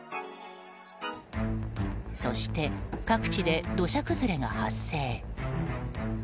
そして、各地で土砂崩れが発生。